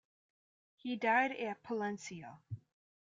He died at Palencia.